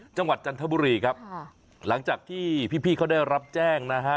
จันทบุรีครับหลังจากที่พี่เขาได้รับแจ้งนะฮะ